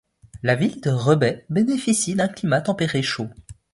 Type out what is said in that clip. La ville de Rebais bénéficie d'un climat tempéré chaud.